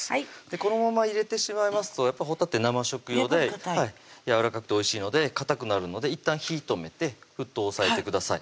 このまま入れてしまいますとやっぱほたて生食用でやわらかくておいしいのでかたくなるのでいったん火ぃ止めて沸騰を抑えてください